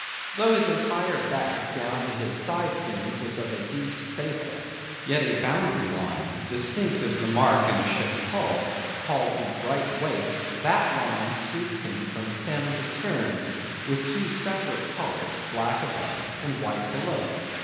Though his entire back down to his side fins is of a deep sable, yet a boundary line, distinct as the mark in a ship's hull, called the "bright waist," that line streaks him from stem to stern, with two separate colours, black above and white below.